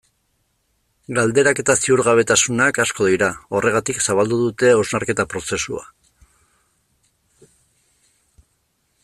Galderak eta ziurgabetasunak asko dira, horregatik zabaldu dute hausnarketa prozesua.